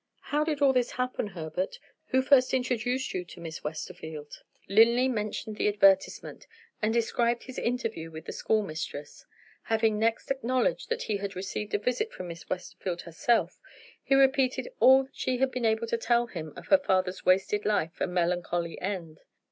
"How did all this happen, Herbert? Who first introduced you to Miss Westerfield?" Linley mentioned the advertisement, and described his interview with the schoolmistress. Having next acknowledged that he had received a visit from Miss Westerfield herself, he repeated all that she had been able to tell him of her father's wasted life and melancholy end.